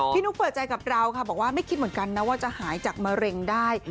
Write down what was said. นุ๊กเปิดใจกับเราค่ะบอกว่าไม่คิดเหมือนกันนะว่าจะหายจากมะเร็งได้